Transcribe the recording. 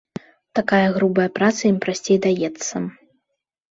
Такая грубая праца ім прасцей даецца.